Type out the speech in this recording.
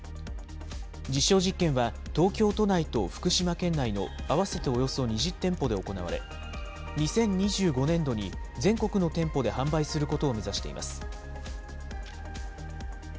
実証実験は東京都内と福島県内の合わせておよそ２０店舗で行われ、２０２５年度に全国の店舗で販売することを目指しています。